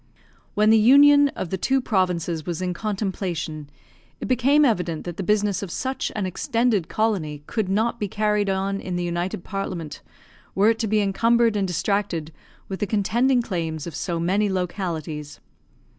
When the union of the two provinces was in contemplation, it became evident that the business of such an extended colony could not be carried on in the United Parliament, were it to be encumbered and distracted with the contending claims of so many localities.